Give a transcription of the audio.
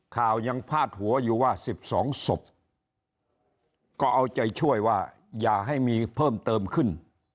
ข่าวยังพาดหัวอยู่ว่า๑๒ศพก็เอาใจช่วยว่าอย่าให้มีเพิ่มเติมขึ้น